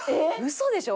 嘘でしょ？